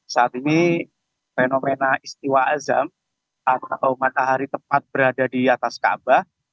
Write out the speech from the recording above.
saat ini fenomena istiwa azam atau matahari tepat berada di atas kaabah